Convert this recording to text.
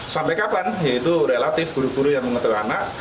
sampai kapan yaitu relatif guru guru yang mengetahui anak